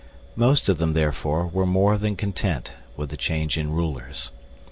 Most of them, therefore, were more than content with the change in rulers.